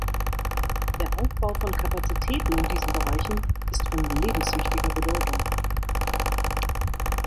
Der Aufbau von Kapazitäten in diesen Bereichen ist von lebenswichtiger Bedeutung.